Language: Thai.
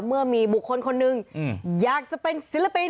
เมื่อมีบุคคลคนหนึ่งอยากจะเป็นศิลปิน